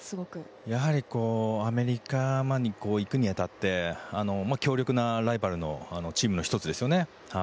やはりアメリカにいくに当たって強力なライバルのチームの１つですよね。